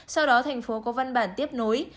sau đó thành phố có văn bản tiếp nối